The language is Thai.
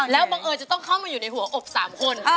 แล้วบังเอิญจะต้องเข้ามาอยู่ในหัวอก๓คน